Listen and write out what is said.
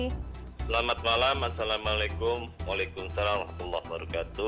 selamat malam assalamualaikum waalaikumsalam allah berkatu